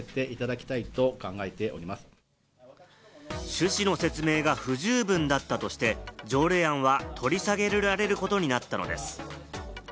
趣旨の説明が不十分だったとして、条例案は取り下げられることになったのです。